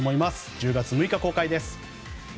１０月６日、公開です。